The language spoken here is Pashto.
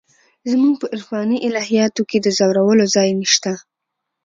زموږ په عرفاني الهیاتو کې د ځورولو ځای نشته.